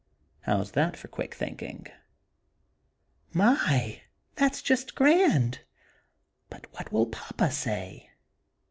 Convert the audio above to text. How's that for quick thinking?" "My! That's just grand; but what will Papa say?"